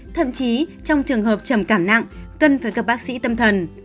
thậm chí trong trường hợp trầm cảm nặng cần phải gặp bác sĩ tâm thần